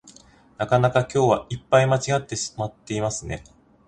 なかなか今日はいっぱい間違えてしまっていますね